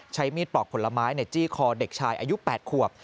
ใช้มีดปอกผลไม้ในจี้คอเด็กชายอายุ๘ขวบ